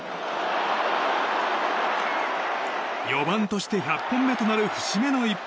４番として１００本目となる節目の一発。